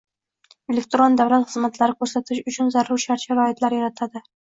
elektron davlat xizmatlari ko‘rsatish uchun zarur shart-sharoitlar yaratadi